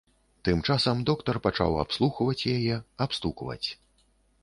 Тым часам доктар пачаў абслухваць яе, абстукваць.